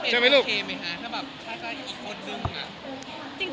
ใช่ไหมลูกพี่เป็นโอเคมั้ยคะถ้าแบบถ้าจะอีกคนหนึ่งอะ